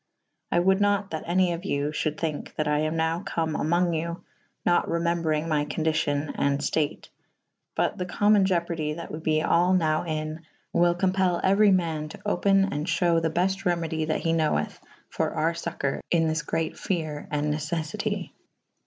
I wolde nat that any of you fhulde thynke that I am nowe come amonge you nat remembrynge my co«dicyon and ftate / but the comon ieopardy that we be all nowe in / wyll compell euerv man to open and fhewe the belte remedy that he knowethe for our focoure in this great fere and neceffyty.